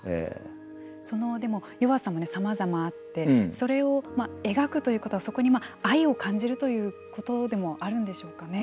その弱さもさまざまあってそれを描くということはそこに愛を感じるということでもあるんでしょうかね。